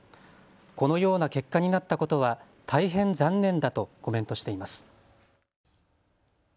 このような結果になったことは大変残念だとコメントしています。